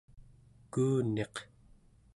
kuuniq